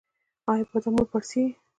ایا بادام مو پړسیږي؟